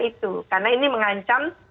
itu karena ini mengancam